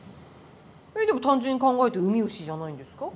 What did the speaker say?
えでも単純に考えてウミウシじゃないんですか？